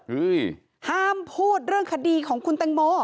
ห้ามพูดเรื่องคดีของคุณแตงโม